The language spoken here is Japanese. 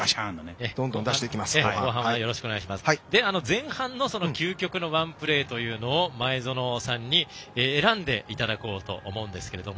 前半の究極のワンプレーを前園さんに選んでいただこうと思うんですが。